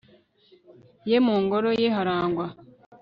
ye, mu ngoro ye harangwa